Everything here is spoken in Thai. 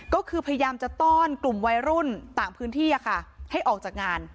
ก็คือพยายามจะต้อนกลุ่มวัยรุ่นต่างพื้นที่ให้ออกจากงาน